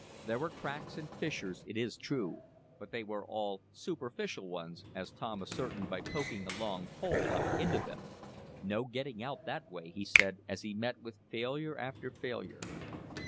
There were cracks and fissures, it is true, but they were all superficial ones, as Tom ascertained by poking a long pole up into them. "No getting out that way," he said, as he met with failure after failure.